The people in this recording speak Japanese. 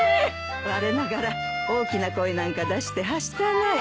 われながら大きな声なんか出してはしたない。